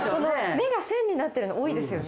目が線になってるの多いですよね。